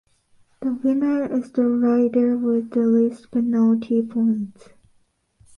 The winner is the rider with the least penalty points.